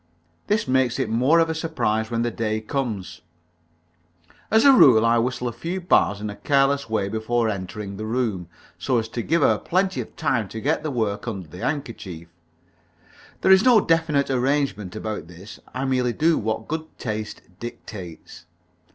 This makes it more of a surprise when the day comes. As a rule, I whistle a few bars in a careless way before entering the room, so as to give her plenty of time to get the work under the handkerchief. There is no definite arrangement about this. I merely do what good taste dictates.